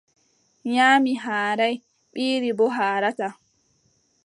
Nyaamii haaraay, ɓiiri boo haarataa.